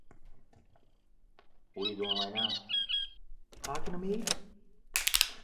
The present name is for the rocky soil near the original town site.